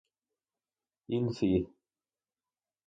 In Fl.